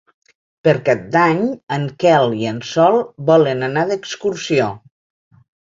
Per Cap d'Any en Quel i en Sol volen anar d'excursió.